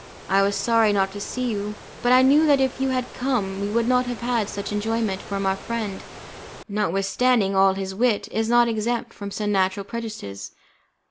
I was sorry not to see you, but I knew that if you had come we would not have had much enjoyment; for our friend, notwithstanding all his wit, is not exempt from some natural prejudices.